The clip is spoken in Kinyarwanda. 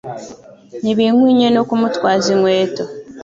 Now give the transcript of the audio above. ntibinkwinye no kumutwaza inkweto,